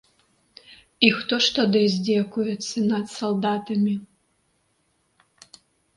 І хто ж тады здзекуецца над салдатамі?